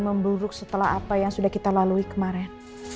memburuk setelah apa yang sudah kita lalui kemarin